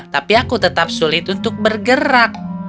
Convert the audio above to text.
tapi aku tetap sulit untuk bergerak